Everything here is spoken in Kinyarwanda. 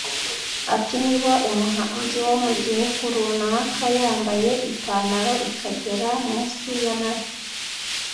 Ati “Niba umuhanzi wo mu gihugu runaka yambaye ipantaro ikagera munsi y’amavi